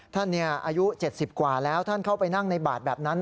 ท่านอายุ๗๐กว่าแล้วท่านเข้าไปนั่งในบาทแบบนั้น